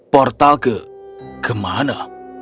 portal ke ke mana